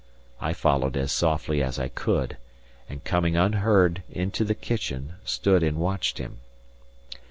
I followed as softly as I could, and, coming unheard into the kitchen, stood and watched him.